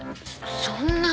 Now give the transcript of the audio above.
そんな。